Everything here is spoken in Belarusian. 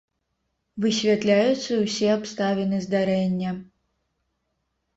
Высвятляюцца ўсе абставіны здарэння.